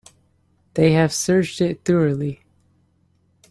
They have searched it thoroughly.